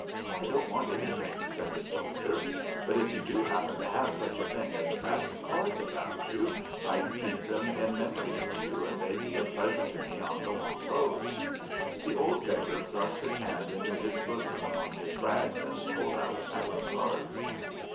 "I don't want anything," said the soldier; "but, if you do happen to have such a thing as a pack of cards about you, I'd keep them in memory of you, and they'd be a pleasure to me on the long road." The old beggar thrust his hand into his bosom among his rags, and pulled out a pack of cards.